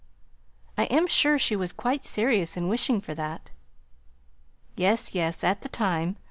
"I am sure she was quite serious in wishing for that." "Yes, yes! at the time.